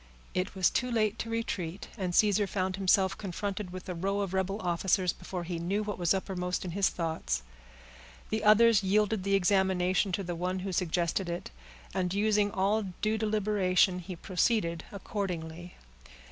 It was too late to retreat, and Caesar found himself confronted with a row of rebel officers, before he knew what was uppermost in his thoughts. The others yielded the examination to the one who suggested it, and using all due deliberation, he proceeded accordingly.